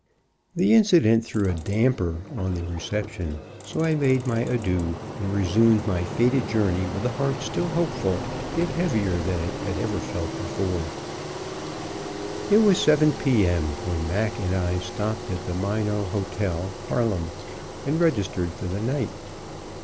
The incident threw a damper on the reception, so I made my adieux, and resumed my fated journey with a heart still hopeful, yet heavier than it ever felt before. It was 7 P. M. when Mac and I stopped at the Minot Hotel, Harlem, and registered for the night.